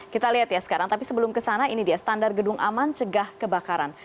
kita lihat ya sekarang tapi sebelum kesana ini dia standar gedung aman cegah kebakaran